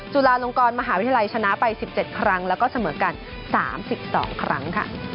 จุฬาลงกรมหาวิทยาลัยชนะไป๑๗ครั้งแล้วก็เสมอกัน๓๒ครั้ง